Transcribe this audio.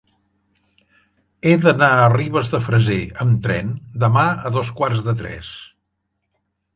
He d'anar a Ribes de Freser amb tren demà a dos quarts de tres.